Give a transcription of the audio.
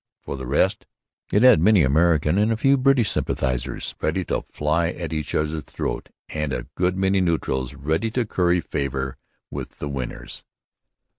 For the rest, it had many American and a few British sympathizers ready to fly at each others' throats and a good many neutrals ready to curry favour with the winners.